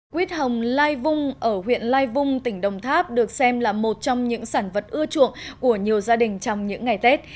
quýt hồng lai vung ở huyện lai vung tỉnh đồng tháp được xem là một trong những sản vật ưa chuộng của nhiều gia đình trong những ngày tết